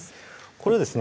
これをですね